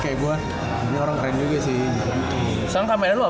kalau nba kan dia gak pernah nyantumin siapa yang foto anjir kan